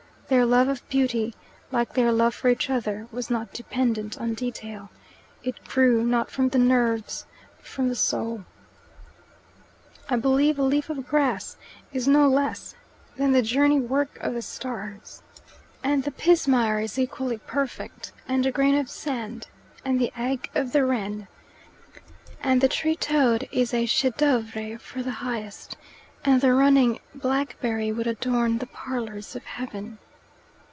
Their love of beauty, like their love for each other, was not dependent on detail: it grew not from the nerves but from the soul. "I believe a leaf of grass is no less than the journey work of the stars And the pismire is equally perfect, and a grain of sand, and the egg of the wren, And the tree toad is a chef d'oeuvre for the highest, And the running blackberry would adorn the parlours of heaven."